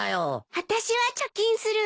私は貯金するわ。